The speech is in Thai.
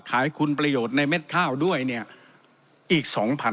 ขายคุณประโยชน์ในเม็ดข้าวด้วยเนี่ยอีก๒๐๐